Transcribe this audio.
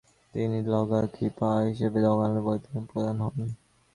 তিনি দ্বিতীয় দ্গা'-ল্দান-খ্রি-পা হিসেবে দ্গা'-ল্দান বৌদ্ধবিহারের প্রধান হন।